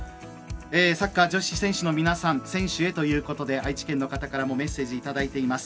サッカー女子選手の皆さん選手へということで愛知県の方からもメッセージいただいています。